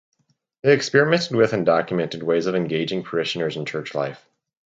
They experimented with and documented ways of engaging parishioners in Church life.